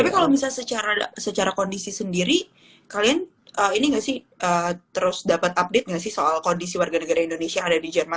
tapi kalau misalnya secara kondisi sendiri kalian ini nggak sih terus dapat update nggak sih soal kondisi warga negara indonesia yang ada di jerman